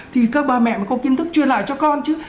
thì các bà mẹ mới có kiến thức truyền lại cho con chứ